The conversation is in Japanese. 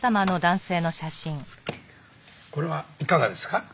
これはいかがですか？